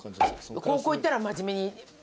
高校行ったら真面目に。